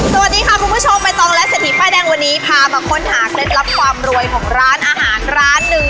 สวัสดีค่ะคุณผู้ชมใบตองและเศรษฐีป้ายแดงวันนี้พามาค้นหาเคล็ดลับความรวยของร้านอาหารร้านหนึ่ง